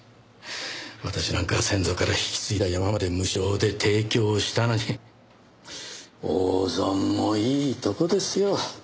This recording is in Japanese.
私なんか先祖から引き継いだ山まで無償で提供したのに大損もいいとこですよ。